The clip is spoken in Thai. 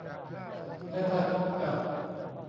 และได้พบกับ